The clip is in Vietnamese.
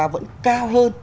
vẫn cao hơn